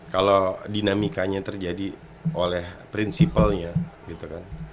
kalau dinamikanya terjadi oleh prinsipalnya gitu kan